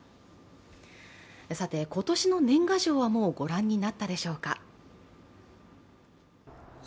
さて今年の年賀状はもうご覧になったでしょうか。